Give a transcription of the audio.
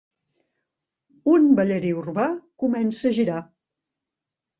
Un ballarí urbà comença a girar.